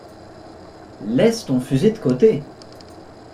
Laisse ton fusil de côté.